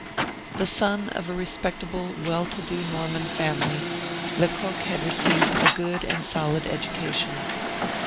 The son of a respectable, well to do Norman family, Lecoq had received a good and solid education.